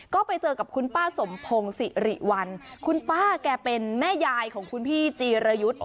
ก็ไปเจอกับคุณป้าสมพงศิริวัลคุณป้าแกเป็นแม่ยายของคุณพี่จีรยุทธ์